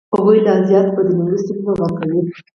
هغوی لا زیات په دنیوي ستونزو غرقوي.